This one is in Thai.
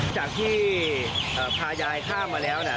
จากที่พายายข้ามมาแล้ว